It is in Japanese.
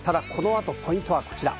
ただこの後、ポイントはこちら。